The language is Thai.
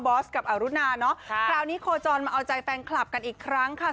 กับอรุณาเนาะคราวนี้โคจรมาเอาใจแฟนคลับกันอีกครั้งค่ะ